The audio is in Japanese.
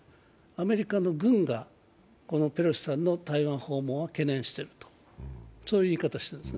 アメリカの軍がペロシさんの台湾訪問を懸念してるという言い方をしています。